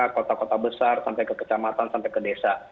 kota kota besar sampai ke kecamatan sampai ke desa